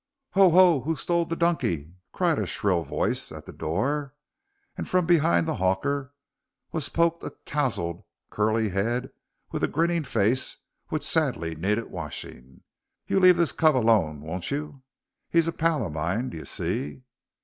"Ho! ho! who stole the donkey?" cried a shrill voice at the door, and from behind the hawker was poked a touzelled curly head, and a grinning face which sadly needed washing. "You leave this cove alone, won't y? He's a pal o' mine. D'y see?"